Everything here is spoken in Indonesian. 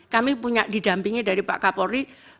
kami punya didampingi dari pak kapolri